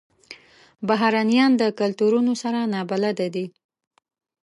بهرنیان د کلتورونو سره نابلده دي.